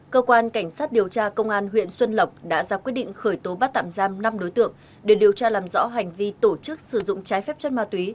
cơ quan cảnh sát điều tra công an huyện xuân lộc đã ra quyết định khởi tố bắt tạm giam năm đối tượng để điều tra làm rõ hành vi tổ chức sử dụng trái phép chất ma túy